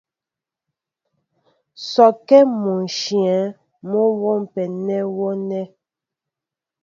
Sɔkɛ́ mɔ ǹshyə̂ mɔ́ a wômpɛ nɛ́ wɔ nɛ̂.